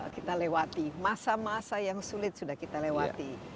kita lewati masa masa yang sulit sudah kita lewati